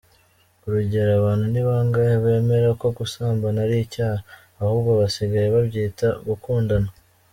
Urugero, abantu ni bangahe bemera ko gusambana ari icyaha? Ahubwo basigaye babyita "gukundana".